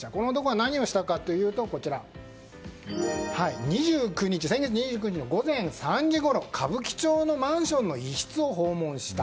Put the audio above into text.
この男は何をしたかというと先月２９日午前３時ごろ歌舞伎町のマンションの一室を訪問した。